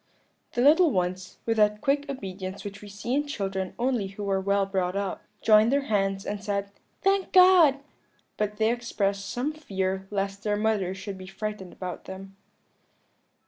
"The little ones, with that quick obedience which we see in children only who are well brought up, joined their hands and said, 'Thank God!' but they expressed some fear lest their mother should be frightened about them.